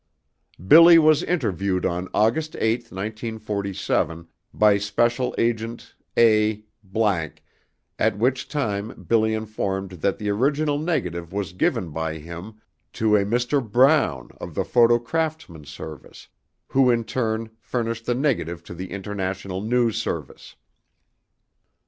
BILLY was interviewed on August 8, 1947 by Special Agent (A) ____ at which time BILLY informed that the original negative was given by him to a Mr. BROWN of the Photo Craftsman Service, who in turn furnished the negative to the International News Service.